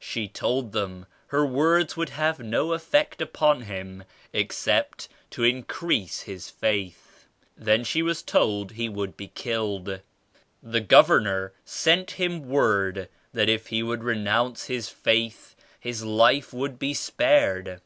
She told them her words would have no effect 62 upon him except to increase his faith. Then she was told he would be killed. The Governor sent him word that if he would renounce his faith his life would be spared.